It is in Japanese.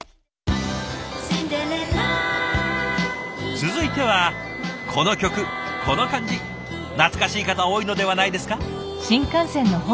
続いてはこの曲この感じ懐かしい方多いのではないですか？